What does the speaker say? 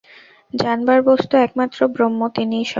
জানবার বস্তু একমাত্র ব্রহ্ম, তিনিই সব।